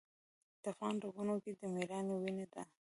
د افغان رګونو کې د میړانې وینه ده.